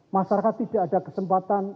masyarakat tidak ada kesempatan